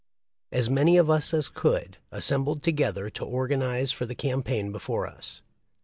As many of us as could, assembled together to organ ize for the campaign before us.